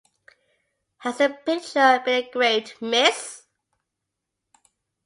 Has the picture been engraved, miss?